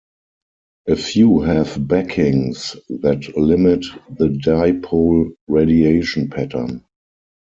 A few have backings that limit the dipole radiation pattern.